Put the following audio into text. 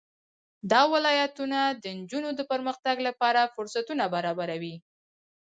دا ولایتونه د نجونو د پرمختګ لپاره فرصتونه برابروي.